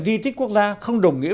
di tích quốc gia không đồng nghĩa